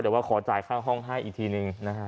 เดี๋ยวว่าขอจ่ายค่าห้องให้อีกทีหนึ่งนะฮะ